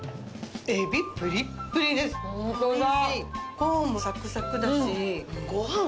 コーンもサクサクだし。